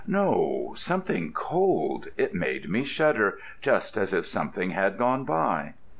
"No—something cold: it made me shudder, just as if something had gone by."